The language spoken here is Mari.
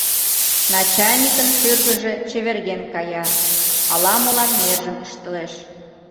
Начальникын шӱргыжӧ чеверген кая, ала-молан нержым ӱштылеш.